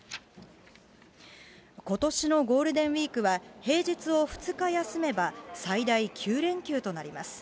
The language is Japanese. ことしのゴールデンウィークは、平日を２日休めば、最大９連休となります。